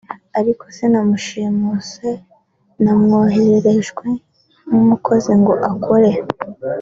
ariko sinamushimuse namwohererejwe nk’umukozi ngo ankorere